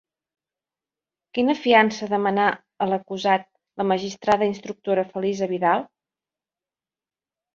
Quina fiança demanà a l'acusat la magistrada-instructora Felisa Vidal?